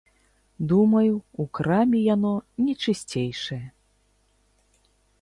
Думаю, у краме яно не чысцейшае.